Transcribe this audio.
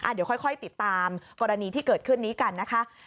เดี๋ยวค่อยติดตามกรณีที่เกิดขึ้นนี้กันนะคะ